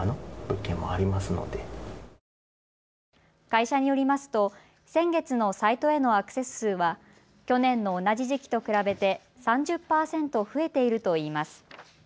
会社によりますと先月のサイトへのアクセス数は去年の同じ時期と比べて３０％増えているといいます。